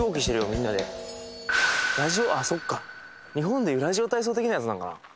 みんなでラジオあっそっか日本でいうラジオ体操的なやつなんかな？